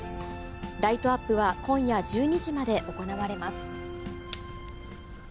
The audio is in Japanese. ライトアップは今夜１２時まで行われます。